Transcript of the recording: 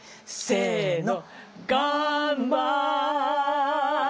せの！